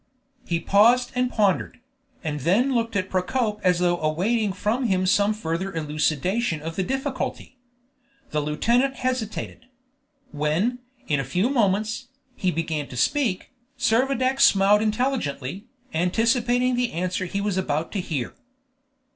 He paused and pondered, and then looked at Procope as though awaiting from him some further elucidation of the difficulty. The lieutenant hesitated. When, in a few moments, he began to speak, Servadac smiled intelligently, anticipating the answer he was about to hear.